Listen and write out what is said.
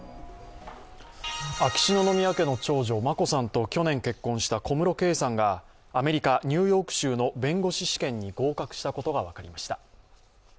秋篠宮家の長女・眞子さんと去年結婚した小室圭さんがアメリカ・ニューヨーク州の弁護士試験に合格したことが分かりました。